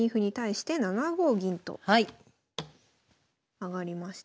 上がりました。